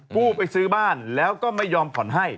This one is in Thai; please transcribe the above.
ผู้ไปซื้อบ้านแล้วก็ไม่ยอมผ่อนให้